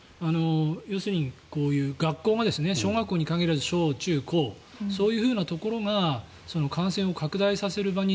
要するにこういう学校が小学校に限らず小中高、そういうところが感染を拡大させる場に